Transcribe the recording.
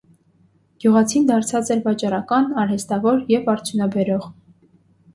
Գիւղացին դարձած էր վաճառական, արհեստաւոր եւ արդիւնաբերող։